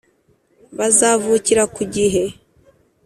Bazavukira ku gihe.